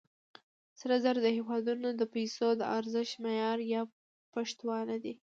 سره زر د هېوادونو د پیسو د ارزښت معیار یا پشتوانه ده.